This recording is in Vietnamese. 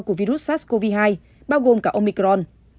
của virus sars cov hai bao gồm cả omicron